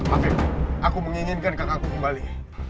oke aku menginginkan kakakku kembali